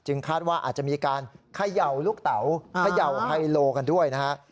จึงคาดว่าอาจจะมีการไข่เยาลูกเต๋าไข่เยาไพโลกันด้วยนะครับ